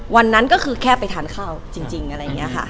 วันนั้นก็คือแค่ไปทานข้าวจริงอะไรอย่างนี้ค่ะ